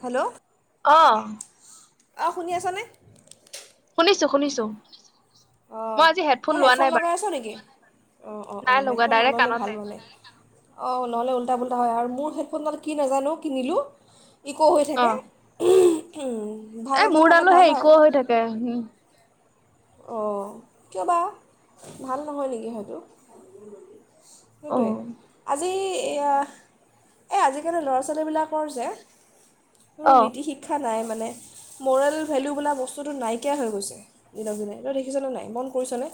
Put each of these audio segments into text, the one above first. Hello অহ অ শুনি আছানে শুনিছোঁ শুনিছোঁ অ তই হেডফোন লগাই আছো নেকি অঁ অ নাই অঁ লগোৱা হেডফোন ডাইৰেক্ট নল'লে ভাল কাণতে মানে অ নহ'লে উল্টা পুল্টা হয় আৰু মোৰ হেডফোনডাল কি নাজানো কিনিলোঁ ইকো হৈ থাকে। অ', উম এ মোৰডালো হেই ইকো হৈ থাকে, উম অ' কিয় বা ভাল নহয় নেকি সেইটো সেইটোৱে, উম। আজি এইয়া, এই আজিকালি ল'ৰা ছোৱালীবিলাকৰ যে কোনো অ', অ', নীতি শিক্ষা নাই। মানে ম'ৰেল ভেলু বোলা বস্তুটো নাইকিয়া হৈ গৈছে। দিনক দিনে তই দেখিছনে নাই, মন কৰিছনে?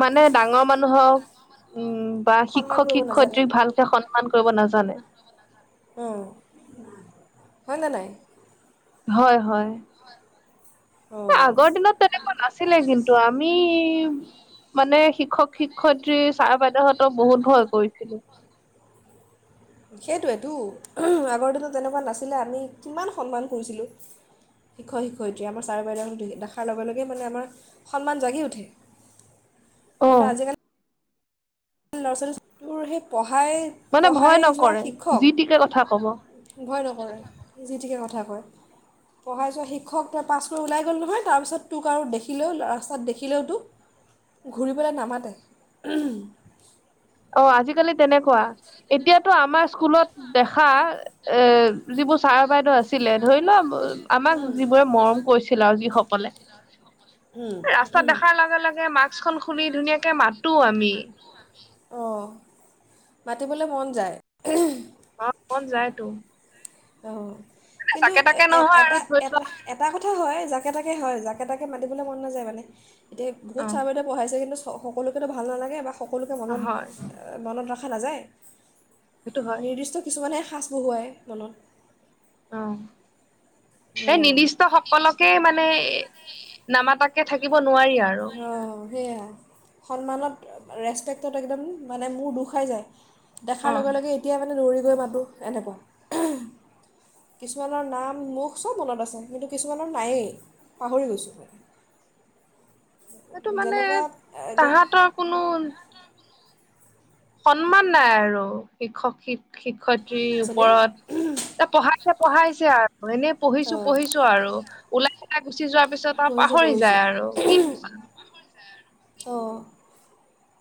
মানে ডাঙৰ মানুহক উম। বা সন্মান শিক্ষক কৰিব নাজানে শিক্ষয়ত্ৰীক ভালকে সন্মান কৰিব নাজানে। হয় নে নাই। হয়, হয়। অঁ আগৰ দিনত তেনেকুৱা নাছিলে কিন্তু, আমি। মানে শিক্ষক, শিক্ষয়ত্ৰী ছাৰ বাইদেউহঁতক বহুত ভয় কৰিছিলো। সেইটোৱেতো আগৰ দিনত তেনেকুৱা নাছিলে আমি কিমান সন্মান কৰিছিলোঁ, শিক্ষক শিক্ষয়িত্ৰী আমাৰ ছাৰ বাইদেউহতি দেখাৰ লগে লগে মানে আমাৰ সন্মান জাগি উঠে। অ', কিন্তু আজিকালি। ল'ৰা ছোৱালীটোোৰ হে পঢ়া। পঢ়াই মানে ভয় পঢ়াই যোৱা নকৰে যি শিক্ষক, টিকে কথা কব। ভয় নকৰে যি তিকে কথা। কথা কয়, পঢ়াই যোৱা শিক্ষক এতিয়া পাছ কৰি ওলাই গ'ল নহয় তাৰপিছত তোক আৰু দেখিলেও ৰাস্তাত দেখিলেও তোক ঘূৰিবলৈ নামাতে। হয়। [unintelligible] অ আজিকালি তেনেকুৱা, এতিয়াতো আমাৰ স্কুলত দেখা এ যিবোৰ ছাৰ বাইদেউ আছিলে ধৰি লোৱা। আমাক যিবোৰে মৰম কৰিছে। চিলও যিসকলে। এ ৰাস্তাত দেখাৰ লগে লগে মাস্ক খন খুলি ধুনীয়াকে মাতো আমি। আমি। অহঁ মাতিবলৈ মন যায়। অঁহ মন যায়টো। অহঁ। কিন্তু নহয় আৰু এটা ধৰি এ এটা কথা হয় যাকে তাকে হয়। একেটাকে মাতিবলৈ মন নাযায় মানে। ধেই লোৱা বহুত ছাৰ বাইদেউৱে পঢ়াইছে কিন্তু। সকলোকেতো ভাল নালাগে বা। সকলোকে অ মনত হয় মনত ৰাখ। দেখা নাযায়। সেইটো হয় নিৰ্দিষ্ট কিছুমানে। সাঁচ বহুৱাই মনত। অ। এই অঁ নিৰ্দিষ্ট সকলকে মানে নামাতাক। থাকিব। নোৱাৰি আৰু অ সেয়া সন্মানত। ৰেচপেক্টত একদম মানে মোৰ দু খাই যায়। দেখাৰ অ লগে লগে এতিয়াই মানে দৌৰি। গৈ মাতো এনেকুৱা কিছুমানৰ নাম মুখ চব মনত আছে কিন্তু কিছুমানৰ নায়েই পাহৰি গৈছো। সেইটো মানে এতিয়া ল'ৰা তাহাঁতৰ কোনো। সন্মান নাই আৰু শিক্ষক-শিক্ষিক। শিক্ষয়িত্ৰী ছোৱালীৰ ওপৰত এ পঢ়াইছে পঢ়াইছে আৰু। এনে পঢ়িছো অঁ পঢ়িছো আৰু ওলাই পেলাই গুচি যোৱাৰ পিছত আৰু পঢ়িছোঁ পাহৰি পঢ়িছোঁ যায় আৰু কি। অ,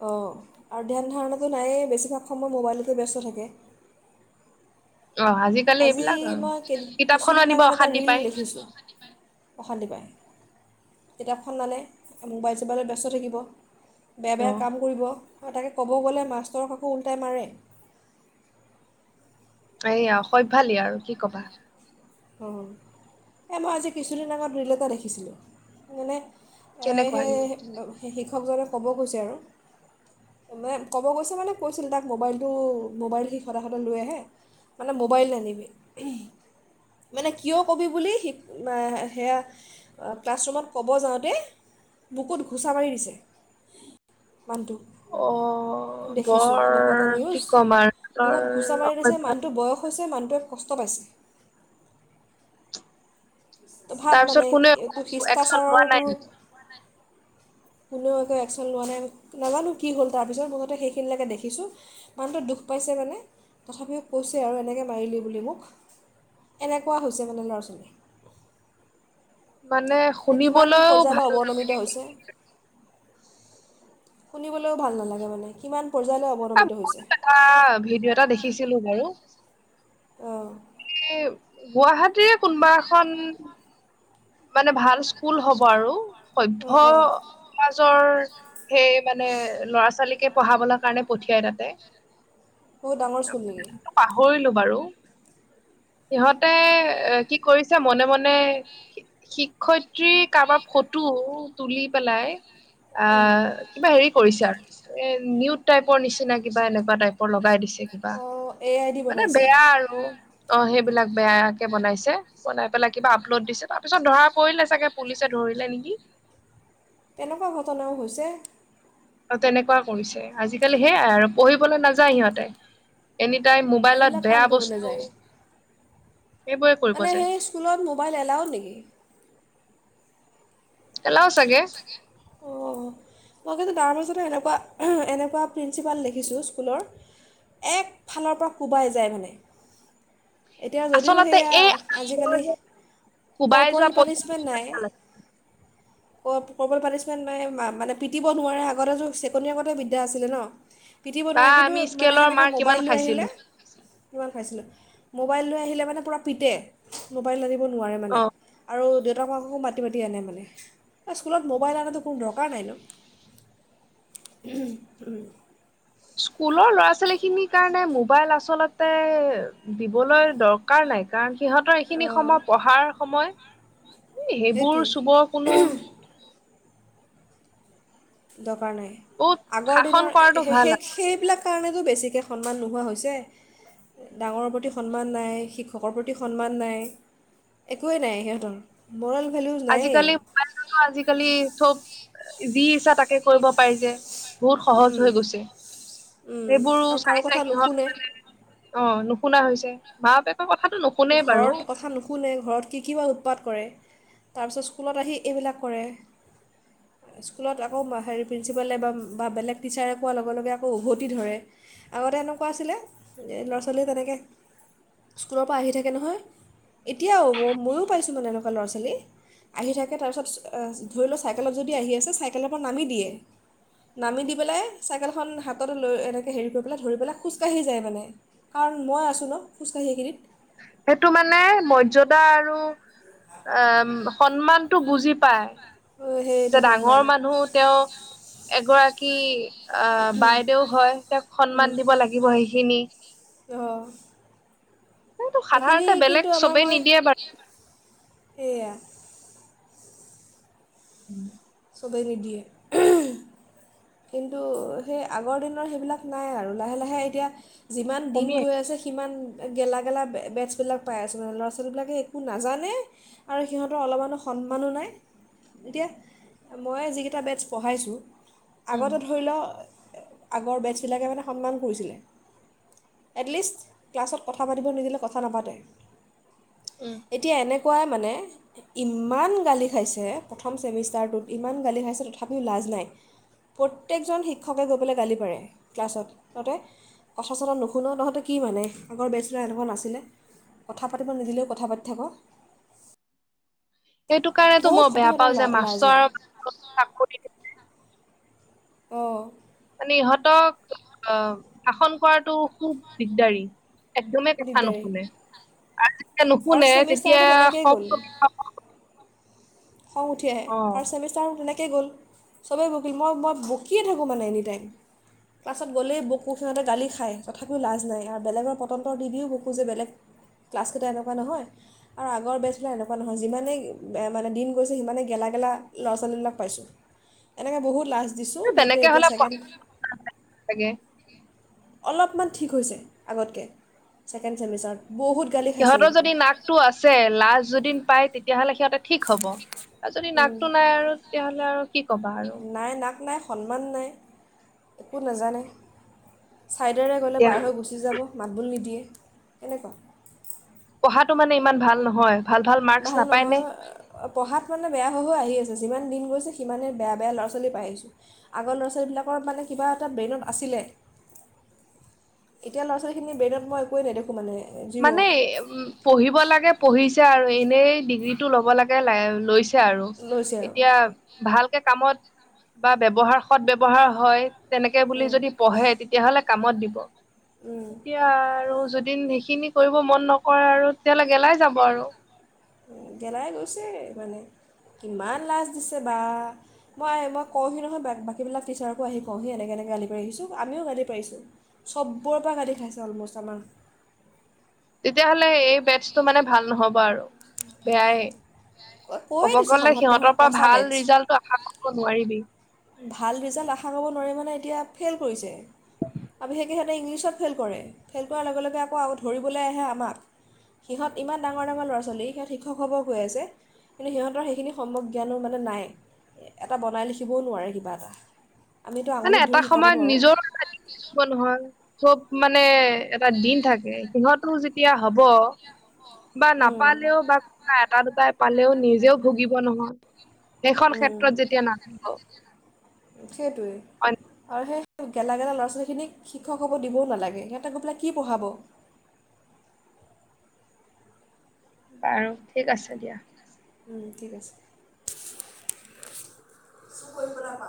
অ আৰু ধ্যান ধাৰণাটো নায়েই বেছিভাগ সময় মোৱাইলটোতে ব্যস্ত থাকে। অ আজিকালি আজি এইবিলাক আৰু মই কিতাপখনো কিছুদিন আনিব আগত এটা অশান্তি ৰীল পায় দেখিছোঁ, অশান্তি পাই। কিতাপখন নানে মোৱাইল চবাইলত ব্যস্ত থাকিব। বেয়া অ বেয়া কাম কৰিব আৰু তাকে। ক'ব গ'লে মাষ্টৰক আকৌ উল্টাই মাৰে। এইয়া অসভ্যালি আৰু কি কবা। অ, এই মই আজি কিছুদিন আগত ৰিল এটা দেখিছিলোঁ মানে। এ কেনেকুৱা ৰিল সেই। শিক্ষকজনে ক'ব গৈছে আৰু মানে ক'ব গৈছে মানে কৈছিল তাক মো'ৱাইলটো মো'ৱাইল সি সদায় সদায় লৈ আহে মানে মো'ৱাইল নানিবি। মানে কিয় কবি বুলি, সেয়া ক্লাছৰুমত ক'ব যাওঁতে বুকুত ঘোচা মাৰি দিছে। মানুহটোক অ দেখিছোঁ বৰ এনেকুৱা এটা কি নিউজ ক'ম আৰু বৰ বুকুত ঘুচা মাৰি দিছে অসভ্য। মানুহটো বয়স হৈছে মানুহ। কষ্ট পাইছে। তই ভাব তাৰপিছত মানে কোনে একো একচন শিষ্টাচাৰৰ লোৱা নাই তোৰ। নেকি? কোনেও একো একশচন লোৱা নাই নাজানো কি হ'ল তাৰপিছত মুঠতে সেইখিনিলেকে দেখিছোঁ মানুহটোৱে দুখ পাইছে মানে তথাপিও কৈছে আৰু এনেকে মাৰিলি বুলি মোক এনেকুৱা হৈছে মানে ল'ৰা-ছোৱালী। মানে শুনিবলৈও ভাল নালাগে। হৈছে শুনিবলৈও ভাল নালাগে মানে কিমান। পৰ্যায়লৈ অৱনমিত মই হৈছে এটা ভিডিঅ' এটা দেখিছিলো বাৰু। অ। [unintelligible] গুৱাহাটীৰে কোনবা এখন। মানে ভাল স্কুল হ'ব আৰু। অঁ সভ্য অঁ সমাজৰ। সেই মানে ল'ৰা ছোৱালীকে পঢ়াবলৈ কাৰণে পঠিয়াই তাতে বহুত ডাঙৰ স্কুল নেকি পাহৰিলো বাৰু সিহঁতে এ কি কৰিছে মনে মনে শিক্ষয়িত্ৰী কাৰোবাৰ ফটো তুলি পেলাই এৱ কিবা হেৰি কৰিছ [unintelligible] নিউট টাইপৰ নিচিনা কিবা এনেকুৱা টাইপৰ লগাই দিছে কিবা অঁ এ আই ডি মানে বনাইছে বেয়া আৰু অ সেই বিলাক বেয়া কে বনাইছে । বনাই পেলাই কিবা আপলোড দিছে। তাৰ পিছত ধৰা পৰিলে চাগে পুলিচে ধৰিলে নেকি । তেনেকুৱা ঘটনাও হৈছে। অ তেনেকুৱা কৰিছে আজিকালি সেইয়াই আৰু পঢ়িবলৈ নাযায় সিহঁতে এনে তাই মোবাইলত এইবিলাক কাম বেয়া কৰিবলৈ বস্তু যায় সেইবোৰে কৰিব মানে যায় সেই স্কুলত মোবাইল এলাও নেকি এলাউ চাগে অঁ মই কিন্তু তাৰ মাজত এনেকুৱা এনেকুৱা প্ৰিন্ঞ্চিপাল দেখিছোঁ স্কুলৰ একফালৰ পৰা কোবাই যায় মানে এতিয়া যদিও আচলতে সেয়া এই আজিকালি কোবাই কৰ্প'ৰেল যোৱা পদ্ধতি পানিছমেণ্ট নাই ক ক পানিমেন্ট মানে পিটব নোৱাৰে আগতেতোৰ ছেকেণ্ড ইয়াৰ্গতে বিদ্যা আছিলে ন পিটিব বা নোৱাৰে কিন্তু আমি মানে স্কেলৰ সেনেকে মাৰ কিমান মোবাইল লৈ আহিলে খাইছিলো ভয় খাইছিলোঁ মোবাইল লৈ আহিলে মানে পুৰা পিট মোবাইল আনিব নোৱাৰে অ মানে মাককো মাতি মাতি আনে মানে স্কুলত মোবাইলটো ফোন দৰকাৰ নাই নো স্কুলৰ ল'ৰা ছোৱালীখিনিৰ কাৰণে মোবাইল আচলতে দিবলৈ দৰকাৰ নাই কাৰণ সিহঁতৰ এইখিনি অঁ সময় পঢ়াৰ সময় এ সেইবোৰ চুবৰ সেইটোৱেই কোনো দক দৰকাৰ নাই বহুত আগৰ শাসন কৰাটো দিনত সেই ভাল আৰু সেই বিলাক সেইকাৰণে কাৰণেতো বেছিকৈ সন্মান নোহোৱা হৈছে ডাঙৰৰ প্ৰতি সন্মান নাই শিক্ষকৰ প্ৰতি সন্মান নাই একোৱেই নাই সিহঁতৰ মৰেল ভেলিউজ নায়েই আজিকালি মবাইলতো আজিকালি চব যি ইচ্ছা তাকে কৰিব পাৰিছে বহুত সহজ উম, হৈ গৈছে উম, এইবোৰ আৰু চাই কাৰো চাই কথা সিহঁত নুশুনে মানে অ নুশুনা হৈছে মা বাপেক ঘৰত কথা নুশুনে ঘৰত কি কি বা উৎপাত কৰে তাৰপিছত স্কুলত আহি এইবিলাক কৰে স্কুলত আকৌ হেৰি প্ৰিন্সিপালে বা বা বেলেগ টিচাৰে কোৱাৰ লগে লগে আকৌ উভতি ধৰে আগতে এনেকুৱা আছিলে ল'ৰা ছোৱালীয়ে তেনেকে স্কুল প আহি থাকে নহয় এতিয়াও ম ময়ো পাইছোঁ মানে এনেকুৱা ল'ৰা ছোৱালী আহি থাকে তাৰপিছত ধৰি লও চাইকেলত যদি আহি আছে চাইকেলৰ পৰা নামি দিয়ে নামি দি পেলাই চাইকেলখন হাততে লৈ এনেকৈ হেৰি কৰি পেলাই ধৰি পেলাই খোজকাঢ়ি যায় মানে কাৰণ মই আছোঁ ন খোজকাঢ়ি এইখিনিত সেইটো মানে অ সন্মানতটো বুজি পায় সেইটো যে সন্মান ডাঙৰ মানুহ তেওঁ এগৰাকী আহ বাইদেউ হয় তেওঁক সন্মান দিব লাগিব সেইখিনি অঁ সেটো সেইখিনি সাধাৰণতে বেলেগ চবেই নিদিয়ে বাৰু এইয়া উম চবেই নিদিয়ে উ কিন্তু সেই আগৰ দিনৰ সেইবিলাক নাই আৰু লাহে লাহে এতিয়া যিমান দিন কমিয়ে গৈ আছে সিমান গেলা গেলা বেটছবিলাক পাই আছোঁ ল'ৰা ছোৱালীবিলাকে একো নাজানে আৰু সিহঁতৰ অলপমানো সন্মানো নাই এতিয়া মই যিকেইটা বেটছ পঢ়াইছোঁ উম আগতে ধৰি লও আগৰ বেছবিলাকে মানে সন্মান কৰিছিলে এটলিষ্ট ক্লাছত কথা পাতিব নিদিলে কথা নাপাতে উম এতিয়া এনেকুৱাই মানে ইমান গালি খাইছে প্ৰথম চেমিষ্টাৰটোত ইমান গালি খাইছে তথাপিও লাজ নাই প্ৰত্যেকজন শিক্ষকে গৈ পেলাই গালি পাৰে ক্লাছত তহঁতে কথা চতা নুশুন তহঁতে কি মানে আগৰ বেচুলাৰ এনেকুৱা নাছিলে কথা পাতিব নিদিলেও কথা পাতি থাক' সেইটো কাৰণেতো বহুত মই খতি বেয়া পাওঁ যে লাজ নাই মাষ্টৰ চাকৰি অঁ মানে ইহঁতক আ শাসন কৰাটো খুব দিগদাৰী একদমেই কথা দিগদাৰী নুশুনে আৰু যেতিয়া ফাৰ্ষ্ট নুশুনে ছেমিষ্টাৰটো তেতিয়া তেনেকৈয়ে গ'ল [inaudible] খং উঠি আহে অ ফাৰ্ষ্ট চেমিষ্টাৰত তেনেকৈ তেনেকেই গল ছবে বকিল ম মই বকিয়ে থাকোঁ মানে এনিটাইম ক্লাছত গলেই বকো সিহঁতে গালি খাই তথাপিও লাজ নাই আৰু বেলেগৰ পটন্তৰ দি দিওঁ বকো যে বেলেগ ক্লাছ গীতা এনেকুৱা নহয় আৰু আগৰ বেটচ বিলাক এনেকুৱা নহয় যিমানেই মানে দিন দিন গৈছে সিমানেই গেলা গেলা ল'ৰা ছোৱালীবিলাক পাইছোঁ এনেকে বহুত লাজ দিছোঁ দিওঁতে তেনেকে এতিয়া হলে ছেকেণ্ড লাগে অলপমান ঠিক হৈছে আগতকৈ ছেকেণ্ড ছেমিষ্টাৰত বহুত গালি খাইছে সিহঁতৰ কিন্তু যদি নাকটো আছে লাাজ যদি পায় তেতিয়া তেতিয়াহ'লে সিহঁতে ঠিক হ'ব আৰু যদি নাকটো নাই আৰু তেতিয়াহলে আৰু কি কবা আৰু নাই নাক নাই সন্মান নাই একো নাজানে ছাইডেৰে গ'লে এতিয়া পাৰ হৈ গুচি যাব মাতবোল নিদিয়ে, কেনেকুৱা? পঢ়াতো মানে ইমান ভাল নহয়। ভাল মাৰ্কচ ভাল নাপায় নে নহয় ।পঢ়াত মানে বেয়া হৈ হৈ আহি আছে ।যিমান দিন। সিমানেই বেয়া বেয়া ল'ৰা ছোৱালীয়ে পাই আহিছোঁ। আগৰ ল'ৰা ছোৱালীবিলাকৰ মানে কিবা এটা ব্ৰেইনত আছিলে, এতিয়া ল'ৰা ছোৱালীখিনি ব্ৰেইনত মই একোৱে নেদেখোঁ মানে। জিৰ' মানে, পঢ়িব লাগে পঢ়ি ছে আৰু এনেই ডিগ্ৰীটো ল'ব লাগে, লৈছে। আৰু লৈছে আৰু এতিয়া ভাল। কামত বা ব্যৱহাৰ সৎ ব্যৱহাৰ হয়। তেনেকে বুলি যদি পঢ়ে । তেতিয়াহলে। কামত দিব। এতিয়া আৰু। যদি সেইখিনি। কৰিব মন নকৰে আৰু তেতিয়াললে গেলাই যাব আৰু। গেলাই গৈছে মানে। কিমান লাজ দিছে বা, মই মই কওঁহি নহয় বাকীবিলাক টিচাৰকো আহি কওঁহি, এনেকৈ এনেকৈ গালি পাৰি আহিছোঁ। আমিও গালি পাৰিছোঁ, চবৰেৰ পৰা গাালি খাইছে। অলম'ষ্ট আমাৰ। তেতিয়াহ'লে এই বেটছটো মানে। ভাল নহবা আৰু বেয়াই। ক'ব কৈয়ে দিছো গ'লে সন্মুখত। তহঁত সিহঁতৰ পৰা পচা ভাল বেটছ। ৰিজাল্টটো আশা কৰিব নোৱাৰিবি ভাল ৰিজাল্ট আশা কৰিব নোৱাৰি মানে। এতিয়া ফেইল কৰিছে। আৰু বিশেষকৈ সিহঁতে ইংলিছত ফেইল কৰে, ফেইল কৰাৰ লগে-লগে আকৌ ধৰিবলৈ আহে আমাক! সিহঁত ইমান ডাঙৰ-ডাঙৰ ল'ৰা ছোৱালী সিহঁত শিক্ষক হ'ব গৈ আছে। কিন্তু সিহঁতৰ সেইখিনি সম্ভৱ জ্ঞানো মানে নাই, এটা বনাই লিখিবও নোৱাৰে কিবা এটা। আমিতো মানে আঙুলিত ধৰি এটা শিকাব সময়ত, নোৱাৰোঁ নিজৰো এটা দিন থাকিব নহয়। খুব মানে এটা দিন থাকে, সিহঁতো যেতিয়া হব। বা নাপালেও বা কোনোবা এটা দুটাই। পালেও, নিজেও ভুগিব নহয়। সেইখন ক্ষেত্ৰত যেতিয়া নাথিব। সেইটোৱেই [unintelligible] আৰু সেই গেলা-গেলা ল'ৰা ছোৱালীখিক শিক্ষক হ'ব দিবও নালাগে, সিহঁতে গৈ পেলাই কি পঢ়াব? বাৰু, ঠিক আছে দিয়া। উম' ঠিক আছে। চু কৰিবলৈ পা